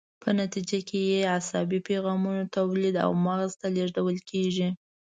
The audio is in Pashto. په نتیجه کې یې عصبي پیغامونه تولید او مغز ته لیږدول کیږي.